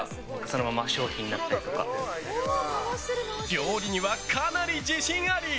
料理には、かなり自信あり！